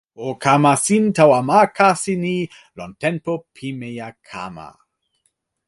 o kama sin tawa ma kasi ni lon tenpo pimeja kama.